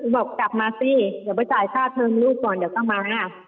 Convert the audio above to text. บอกกลับมาสิเดี๋ยวไปจ่ายค่าเทิมลูกก่อนเดี๋ยวต้องมา